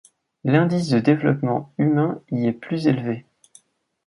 L'indice de développement humain y est plus élevé.